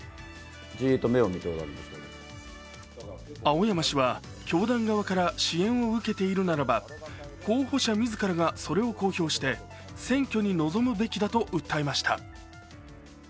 青山氏は教団側から支援を受けているならば、候補者自らがそれを公表して選挙に臨むべきだと訴えました。